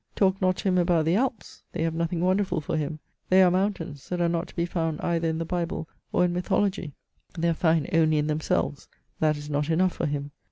Talk not to him about the Alps— they have nothing wonderful for him; they are mountains that are not to be found either in the Bible or in mythology : they are fine only in themselves ; that is not enough for him.